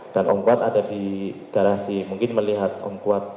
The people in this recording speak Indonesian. dan om kuat ada di garasi mungkin melihat om kuat